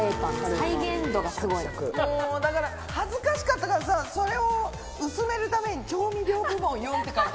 もうだから恥ずかしかったからさそれを薄めるために「調味料部門」って書いた。